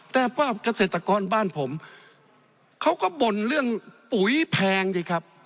แต่ว่าเกษตรกรบ้านผมเขาก็บ่นเรื่องปุ๋ยแพงสิครับ